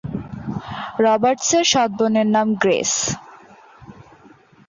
রবার্টসের সৎ বোনের নাম গ্রেস।